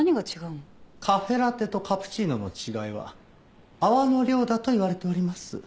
カフェラテとカプチーノの違いは泡の量だといわれております。